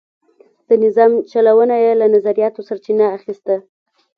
د نظام چلونه یې له نظریاتو سرچینه اخیسته.